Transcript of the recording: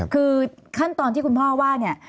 คือขั้นตอนที่คุณพ่อว่าเนี่ย